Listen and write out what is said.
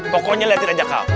pokoknya liatin aja kak